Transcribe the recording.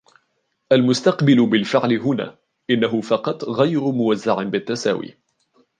المستقبل بالفعل هنا — إنه فقط غير موزع بالتساوي.